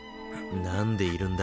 なんでいるんだ。